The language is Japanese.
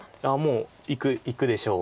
もういくでしょう。